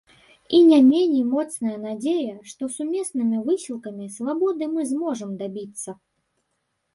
І не меней моцная надзея, што сумеснымі высілкамі свабоды мы зможам дабіцца.